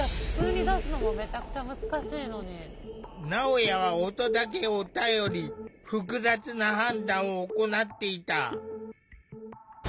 なおやは音だけを頼り複雑な判断を行っていた。